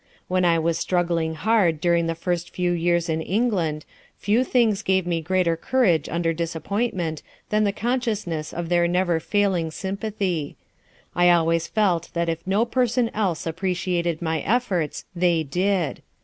When I was struggling hard during the first few years in England, few things gave me greater courage under disappointment than the consciousness of their never failing sympathy. I always felt that if no person else appreciated my efforts, they did.